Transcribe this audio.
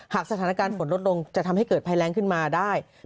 หากสถานการณ์ฝนลดลงจะทำให้เกิดภัยแรงขึ้นมาได้